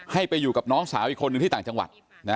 ไปอยู่กับน้องสาวอีกคนหนึ่งที่ต่างจังหวัด